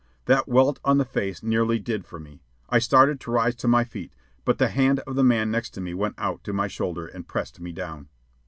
That welt on the face nearly did for me. I started to rise to my feet; but the hand of the man next to me went out to my shoulder and pressed me down.